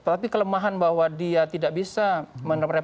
tapi kelemahan bahwa dia tidak bisa menerap reputasi